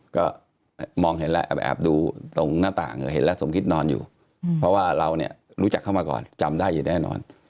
ก็มองเห็นแล้วไปแอบดูตรงหน้าต่างเห็นแล้วสมคิดนอนอยู่เพราะว่าเราเนี่ยรู้จักเข้ามาก่อนจำได้อยู่แน่นอน